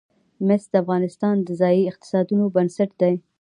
مس د افغانستان د ځایي اقتصادونو بنسټ دی.